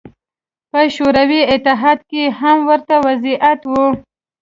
په شوروي اتحاد کې هم ورته وضعیت و.